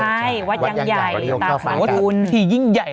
ใช่วัดยังใหญ่วัดทียิ่งใหญ่นะ